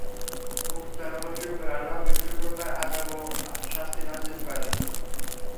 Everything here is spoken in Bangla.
উক্ত জনগোষ্ঠীর উপর আল্লাহ বিভিন্ন প্রকার আযাব ও শাস্তি নাযিল করেন।